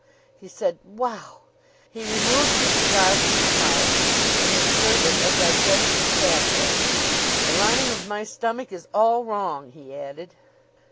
he said. "Wow!" He removed the cigar from his mouth and inserted a digestive tabloid. "The lining of my stomach is all wrong," he added.